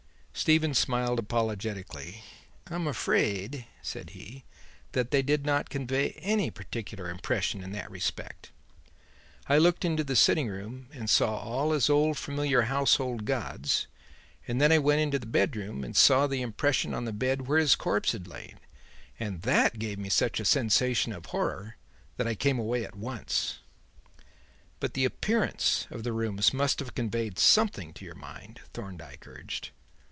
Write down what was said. Stephen smiled apologetically. "I am afraid," said he, "that they did not convey any particular impression in that respect. I looked into the sitting room and saw all his old familiar household gods, and then I went into the bedroom and saw the impression on the bed where his corpse had lain; and that gave me such a sensation of horror that I came away at once." "But the appearance of the rooms must have conveyed something to your mind," Thorndyke urged.